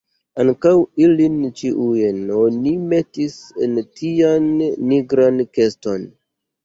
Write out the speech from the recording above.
Ankaŭ ilin ĉiujn oni metis en tian nigran keston.